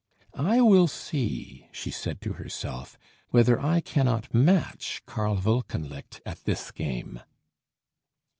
"I will see," she said to herself, "whether I cannot match Karl Wolkenlicht at this game."